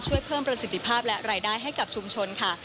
ช่วยเพิ่มประสิทธิภาพและรายได้ให้กับชุมชนค่ะ